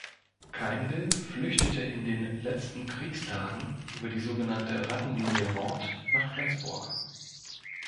Kaindl flüchtete in den letzten Kriegstagen über die sogenannte Rattenlinie Nord nach Flensburg.